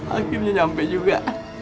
akhirnya nyampe juga